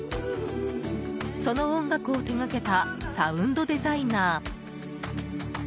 その音楽を手がけたサウンドデザイナー。